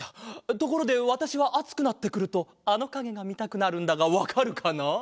ところでわたしはあつくなってくるとあのかげがみたくなるんだがわかるかな？